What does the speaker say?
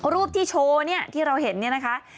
รูปที่โชว์เนี่ยที่เราเห็นเนี่ยนะคะ